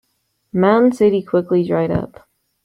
Mountain City quickly dried up.